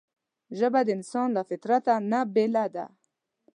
ژبه د انسان له فطرته نه بېله ده